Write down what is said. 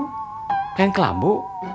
kayak yang kelambu